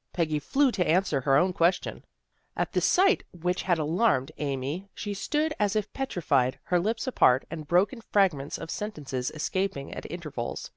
" Peggy flew to answer her own question. At the sight which had alarmed Amy she stood as if petrified, her lips apart, and broken fragments of sentences escaping at intervals.